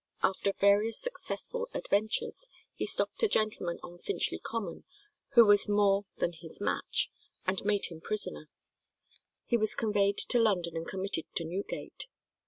After various successful adventures, he stopped a gentleman on Finchley Common, who was more than his match and made him prisoner. He was conveyed to London and committed to Newgate.